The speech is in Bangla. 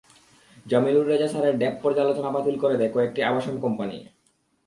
জামিলুর রেজা স্যারের ড্যাপ পর্যালোচনা বাতিল করে দেয় কয়েকটি আবাসন কোম্পানি।